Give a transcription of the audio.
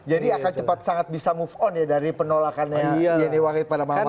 jadi akan cepat sangat bisa move on ya dari penolakan yeni wangit pada mbak mbak yeni